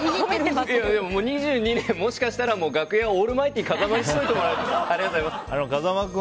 いや、２０２２年もしかしたら楽屋オールマイティー風間にしておいてもらえたら。